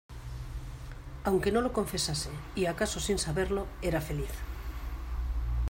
aunque no lo confesase, y acaso sin saberlo , era feliz